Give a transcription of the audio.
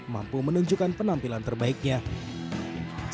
mampu menunjukkan penampilan dan penampilan yang terbaik